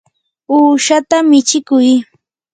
uushata michikuy.